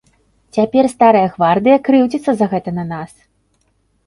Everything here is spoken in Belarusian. Цяпер старая гвардыя крыўдзіцца за гэта на нас.